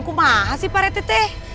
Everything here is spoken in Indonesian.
kumaha sih pak rtt